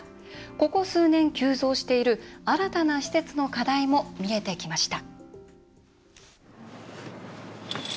ここ数年急増している新たな施設の課題も見えてきました。